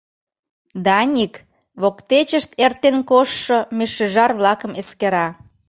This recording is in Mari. Даник воктечышт эртен коштшо медшӱжар-влакым эскера.